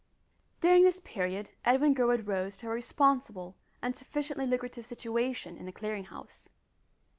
During this period Edwin Gurwood rose to a responsible and sufficiently lucrative situation in the Clearing House.